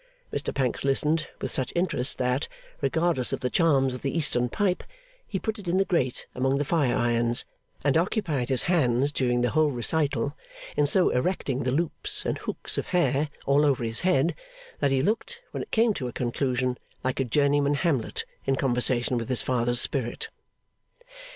Mr Pancks listened with such interest that, regardless of the charms of the Eastern pipe, he put it in the grate among the fire irons, and occupied his hands during the whole recital in so erecting the loops and hooks of hair all over his head, that he looked, when it came to a conclusion, like a journeyman Hamlet in conversation with his father's spirit.